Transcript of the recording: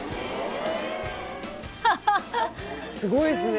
すごいですね。